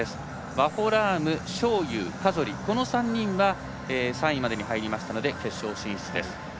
ワホラーム、章勇、カゾリこの３人が３位までに入りましたので決勝進出です。